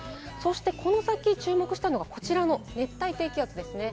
この先、注目したいのがこちらの熱帯低気圧です。